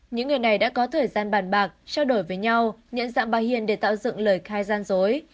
những người này đã có thời gian bàn bạc trao đổi với nhau nhận dạng bà hiền để tạo dựng lời khai gian dối